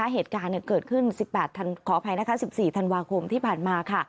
เหตุการณ์เกิดขึ้น๑๘ขออภัยนะคะ๑๔ธันวาคมที่ผ่านมาค่ะ